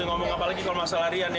ngomong apa lagi kalau masalah rian ya